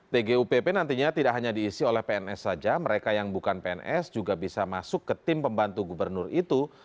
tgupp nantinya tidak hanya diisi oleh pns saja mereka yang bukan pns juga bisa masuk ke tim pembantu gubernur itu